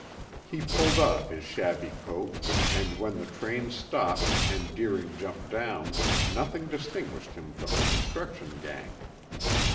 He pulled off his shabby coat, and when the train stopped and Deering jumped down nothing distinguished him from the construction gang.